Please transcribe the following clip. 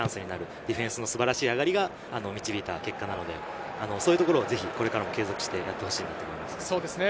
ディフェンスの素晴らしい上がりが導いた結果なので、こういうところは継続してやってほしいなと思います。